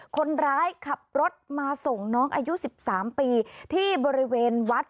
คนร้ายขับรถมาส่งน้องอายุ๑๓ปีที่บริเวณวัด